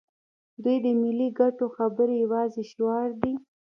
دوی د ملي ګټو خبرې یوازې شعار دي.